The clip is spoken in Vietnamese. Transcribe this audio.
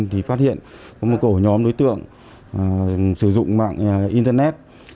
thì phát hiện có một ổ nhóm đối tượng sử dụng mạng internet